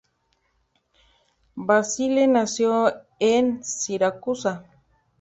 Basile nació en Siracusa.